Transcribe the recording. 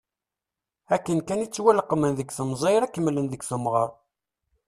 Akken kan i ttwaleqmen deg temẓi ara kemmlen deg temɣer.